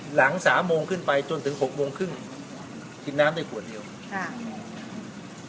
หลังสามโมงขึ้นไปจนถึงหกโมงครึ่งกินน้ำได้ขวดเดียวค่ะ